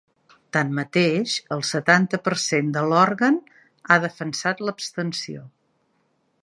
Tanmateix, el setanta per cent de l’òrgan ha defensat l’abstenció.